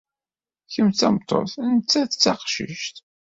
Kem d tameṭṭut, nettat d taqcict.